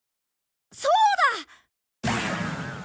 そうだ！